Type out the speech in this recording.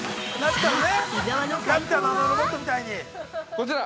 ◆こちら！